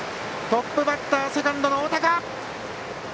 トップバッター、セカンドの大高。